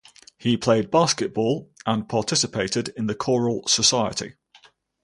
He played basketball and participated in the Choral Society.